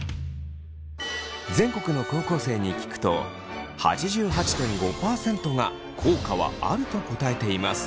全国の高校生に聞くと８８．５％が「効果はある」と答えています。